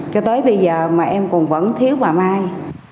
cho tới bây giờ mà em còn vẫn thiếu bà mai